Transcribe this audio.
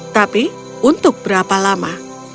tapi untuk berapa lama